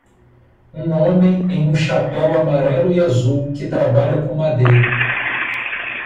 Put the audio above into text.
Um homem em um chapéu amarelo e azul que trabalha com madeira.